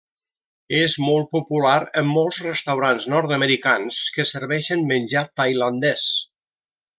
És molt popular en molts restaurants nord-americans que serveixen menjar tailandès.